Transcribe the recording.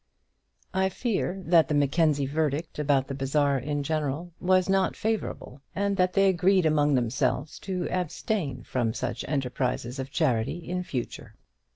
I fear that the Mackenzie verdict about the bazaar in general was not favourable and that they agreed among themselves to abstain from such enterprises of charity in future.